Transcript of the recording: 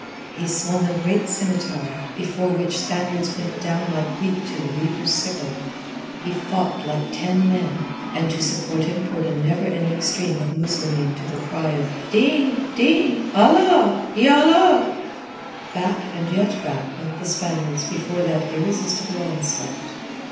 He swung a great scimitar, before which Spaniards went down like wheat to the reaper's sickle. He fought like ten men, and to support him poured a never ending stream of Muslimeen to the cry of "Din! Din! Allah, Y'Allah!" Back and yet back went the Spaniards before that irresistible onslaught.